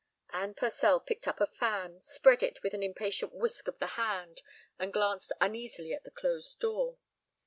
Anne Purcell picked up a fan, spread it with an impatient whisk of the hand, and glanced uneasily at the closed door.